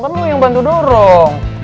kan lo yang bantu dorong